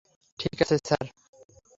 ঠিক আছে স্যার।